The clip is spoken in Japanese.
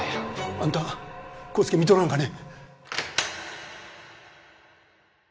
あんた康介見とらんかね？